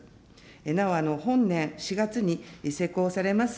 なお、本年４月に施行されます